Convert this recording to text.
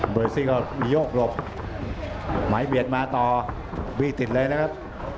ธรรมดิสซี่เขายกหลบไมค์เบียดมาต่อบีดติดเลยนะครับ